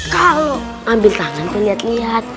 kalo ambil tangan tuh liat liat